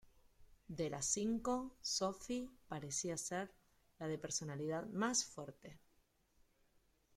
De las cinco, Sophie parecía ser la de la personalidad más fuerte.